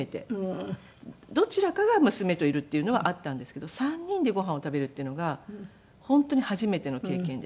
どちらかが娘といるっていうのはあったんですけど３人でご飯を食べるっていうのが本当に初めての経験でした。